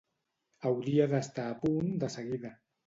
Hauria d'estar a punt de seguida.